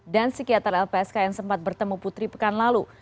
dan psikiater lpsk yang sempat bertemu putri pekan lalu